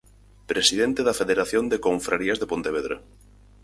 Presidente da Federación de Confrarías de Pontevedra.